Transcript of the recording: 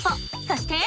そして！